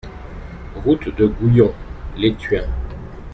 Route de Gouillons, Léthuin